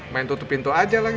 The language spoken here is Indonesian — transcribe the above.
main tutup pintu aja lah